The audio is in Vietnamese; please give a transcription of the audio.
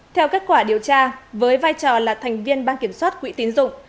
theo kết quả điều tra với vai trò là thành viên ban kiểm soát quỹ tín dụng